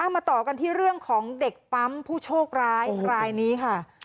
มาต่อกันที่เรื่องของเด็กปั๊มผู้โชคร้ายรายนี้ค่ะ